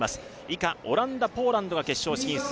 以下オランダポーランドが決勝進出。